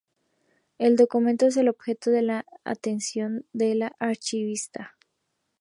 El documento es el objeto de atención de la archivística.